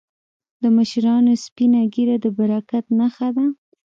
د مشرانو سپینه ږیره د برکت نښه ده.